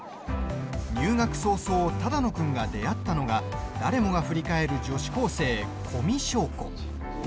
入学早々、只野君が出会ったのが誰もが振り返る女子高生